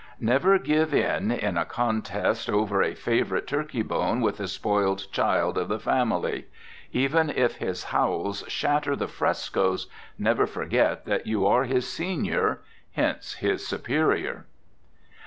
Never give in in a contest over a favorite turkey bone with a spoiled child of the family. Even if his howls shatter the frescoes, never forget that you are his senior, hence his superior.